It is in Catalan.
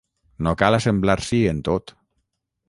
No cal assemblar-s’hi en tot.